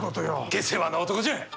下世話な男じゃ。